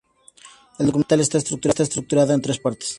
El documental está estructurado en tres partes.